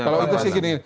kalau itu sih gini